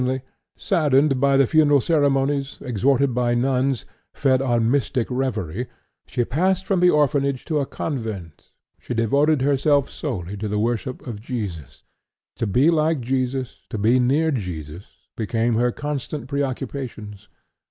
Saddened by the funeral ceremonies, exhorted by nuns, fed on mystic revery, she passed from the orphanage to a convent. She devoted herself solely to the worship of Jesus; to be like Jesus, to be near Jesus, became her constant pre occupations.